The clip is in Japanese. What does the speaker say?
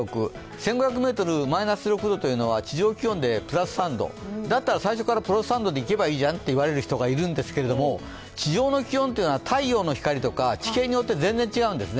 １５００ｍ、マイナス６度というのは地上気温でプラス３度、だったら最初からプラス３度でいけばいいじゃんという人がおられると思いますが、地上の気温というのは地形によって全然違うんですね。